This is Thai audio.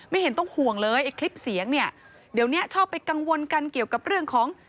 เห็นต้องห่วงเลยไอ้คลิปเสียงเนี่ยเดี๋ยวเนี้ยชอบไปกังวลกันเกี่ยวกับเรื่องของ